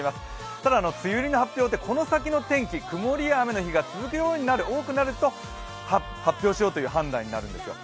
ただ梅雨入りの発表ってこの先の天気、曇りが雨が続く日が多くなると、発表しようという判断になるんですよ。